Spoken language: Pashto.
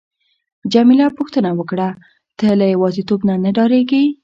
جميله پوښتنه وکړه: ته له یوازیتوب نه ډاریږې؟